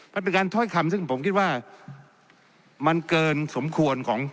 มันเป็นการถ้อยคำซึ่งผมคิดว่ามันเกินสมควรของ